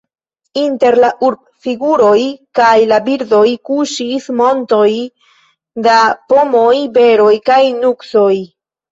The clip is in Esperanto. Inter la urbfiguroj kaj la birdoj kuŝis montoj da pomoj, beroj kaj nuksoj.